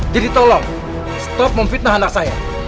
jadi tolong stop memfitnah anak saya